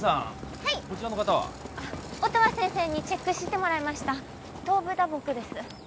はい音羽先生にチェックしてもらいました頭部打撲です